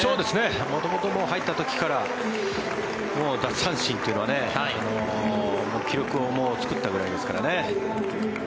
元々、入った時から奪三振という記録を作ったぐらいですからね。